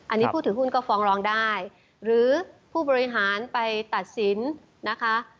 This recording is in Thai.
อันนี้ผู้ถือหุ้นก็ฟ้องร้องได้หรือผู้บริหารไปตัดสินนะคะ